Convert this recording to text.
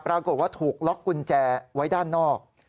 ปรากฏว่าถูกล็อกกุญแจไว้ด้านนอก